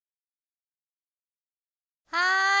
はい！